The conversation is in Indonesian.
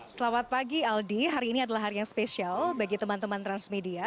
selamat pagi aldi hari ini adalah hari yang spesial bagi teman teman transmedia